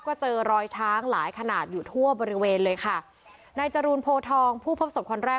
ก็เจอรอยช้างหลายขนาดอยู่ทั่วบริเวณเลยค่ะนายจรูนโพทองผู้พบศพคนแรก